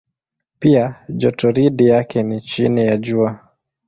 Pia jotoridi yake ni chini ya Jua.